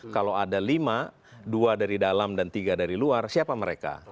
kalau ada lima dua dari dalam dan tiga dari luar siapa mereka